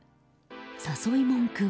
誘い文句は。